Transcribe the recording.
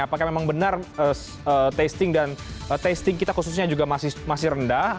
apakah memang benar testing dan testing kita khususnya juga masih rendah